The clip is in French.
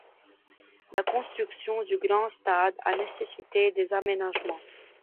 La construction du Grand Stade a nécessité des aménagements.